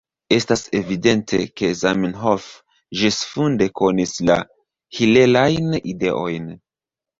Estas evidente, ke Zamenhof ĝisfunde konis la hilelajn ideojn.